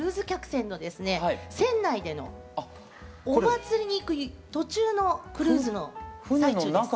船内でのお祭りに行く途中のクルーズの最中です。